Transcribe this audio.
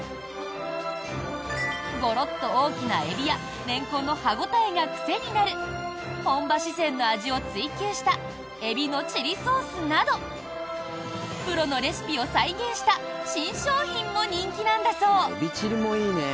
ゴロッと大きなエビやレンコンの歯応えが癖になる本場・四川の味を追求した海老のチリソースなどプロのレシピを再現した新商品も人気なんだそう。